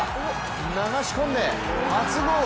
流し込んで初ゴール！